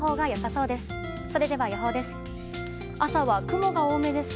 それでは、予報です。